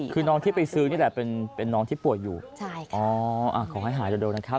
คือน้องที่ไปซื้อนี่แหละเป็นน้องที่ป่วยอยู่ใช่ค่ะอ๋อขอให้หายเร็วนะครับ